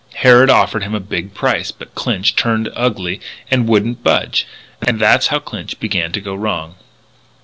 Harrod offered him a big price. But Clinch turned ugly and wouldn't budge. And that's how Clinch began to go wrong."